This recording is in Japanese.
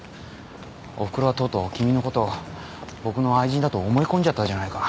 おふくろはとうとう君のことを僕の愛人だと思い込んじゃったじゃないか。